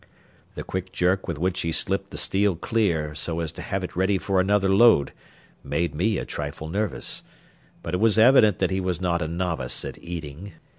The quick jerk with which he slipped the steel clear so as to have it ready for another load made me a trifle nervous; but it was evident that he was not a novice at eating.